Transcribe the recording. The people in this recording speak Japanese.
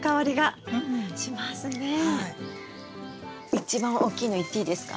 一番大きいのいっていいですか？